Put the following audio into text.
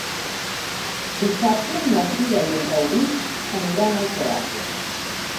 Dissabte na Frida i en Rauric aniran al teatre.